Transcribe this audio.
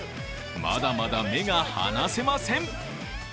まだまだ目が離せません。